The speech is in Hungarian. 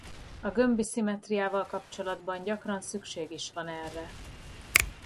A gömbi szimmetriával kapcsolatban gyakran szükség is van erre.